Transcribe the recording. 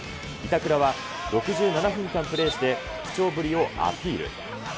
板倉は６７分間プレーして、復調ぶりをアピール。